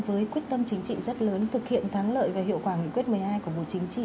với quyết tâm chính trị rất lớn thực hiện thắng lợi và hiệu quả nghị quyết một mươi hai của bộ chính trị